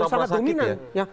itu gejala yang sangat dominan